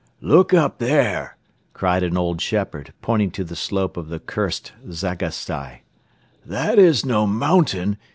"Look up there!" cried an old shepherd, pointing to the slope of the cursed Zagastai. "That is no mountain.